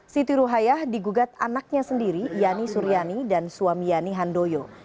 siti ruhaya digugat anaknya sendiri yani suryani dan suami yani handoyo